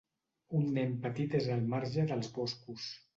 Un nen petit és al marge dels boscos.